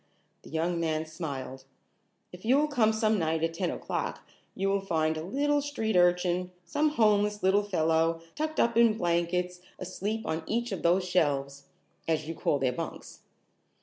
The young man smiled. "If you will come some night at ten o'clock you will find a little street urchin, some homeless little fellow, tucked up in blankets asleep on each of those shelves, as you call their bunks.